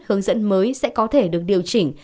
hướng dẫn mới sẽ có thể được điều chỉnh